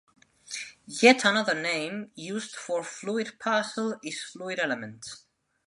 Yet another name used for fluid parcel is fluid element.